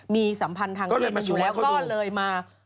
มีสัมพันธ์ทางเพศกันอยู่แล้วก็เลยมา